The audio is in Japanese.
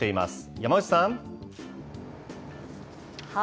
山内さん。